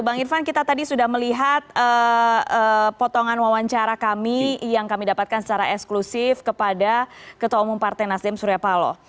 bang irfan kita tadi sudah melihat potongan wawancara kami yang kami dapatkan secara eksklusif kepada ketua umum partai nasdem surya paloh